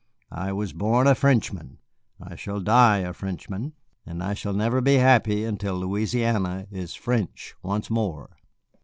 I was born a Frenchman, I shall die a Frenchman, and I shall never be happy until Louisiana is French once more.